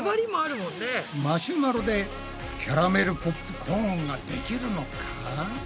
マシュマロでキャラメルポップコーンができるのか？